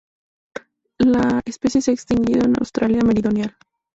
La especie se ha extinguido en Australia Meridional.